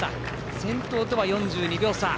先頭とは４２秒差。